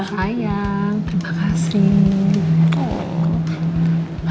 sayang terima kasih